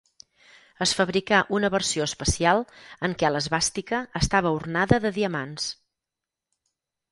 Es fabricà una versió especial en què l'esvàstica estava ornada de diamants.